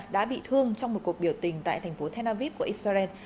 đã bị thương trong một cuộc biểu tình tại thành phố thenavip của israel